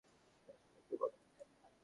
তুমি আসলে কে, বলো।